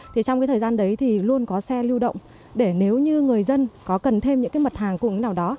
thì trong cái thời gian đấy thì luôn có xe lưu động để nếu như người dân có cần thêm những cái mật hàng cùng cái nào đó